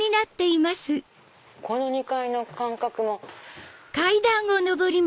この２階の間隔も。